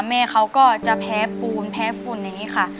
แม่เขาก็จะแพ้ปูนแพ้ฝุ่นอย่างนี้ค่ะ